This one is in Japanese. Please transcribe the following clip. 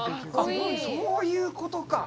そういうことか。